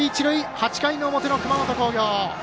８回の表の熊本工業。